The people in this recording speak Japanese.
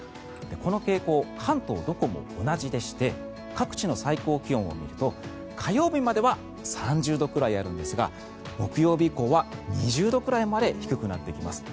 この傾向、関東どこも同じでして各地の最高気温を見ると火曜日までは３０度ぐらいあるんですが木曜日以降は２０度くらいまで低くなってきます。